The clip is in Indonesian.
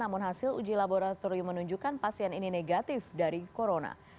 namun hasil uji laboratorium menunjukkan pasien ini negatif dari corona